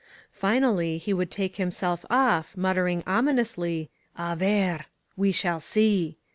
Finally he would take himself off, mutter ing ominously : A verl We shall see